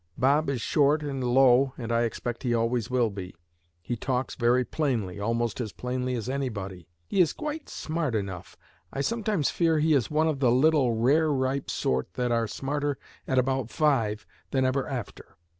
Bob is 'short and low,' and I expect he always will be. He talks very plainly, almost as plainly as anybody. He is quite smart enough. I sometimes fear he is one of the little rare ripe sort that are smarter at about five than ever after.